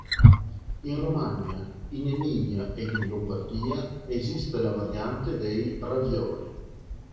In Romagna, in Emilia ed in Lombardia, esiste la variante dei "ravioli.